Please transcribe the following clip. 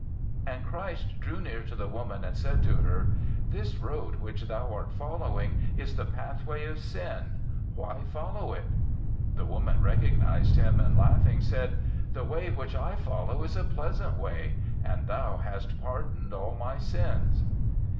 'And Christ drew near to the woman and said to her, "This road which thou art following is the pathway of sin; why follow it?" The woman recognized Him, and laughing said, "The way which I follow is a pleasant way, and Thou hast pardoned all my sins."